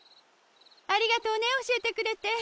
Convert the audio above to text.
ありがとうねおしえてくれて。